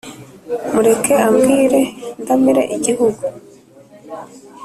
Mureke ambwire ndamire igihugu